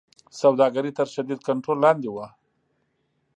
سوداګري تر شدید کنټرول لاندې وه.